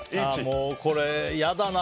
もうこれ嫌だな。